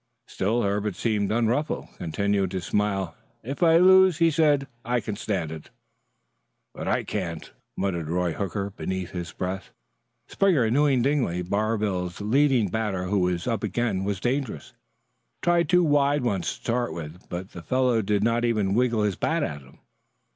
Still Herbert seemed unruffled, continuing to smile. "If I lose," he said, "I can stand it." "But I can't," muttered Roy Hooker beneath his breath. Springer, knowing Dingley, Barville's leading batter, who was again up, was dangerous, tried two wide ones to start with; but the fellow did not even wiggle his bat at them.